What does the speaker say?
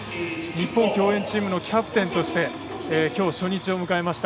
日本競泳チームのキャプテンとして今日、初日を迎えました。